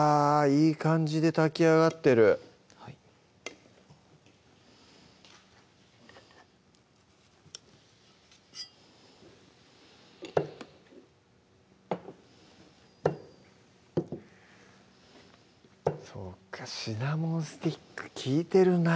いい感じで炊き上がってるはいそっかシナモンスティック利いてるな